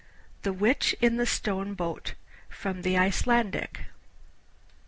THE WITCH IN THE STONE BOAT(31) (31) From the Icelandic.